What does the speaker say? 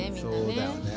そうだよね。